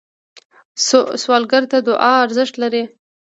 سوالګر ته دعا ارزښت لري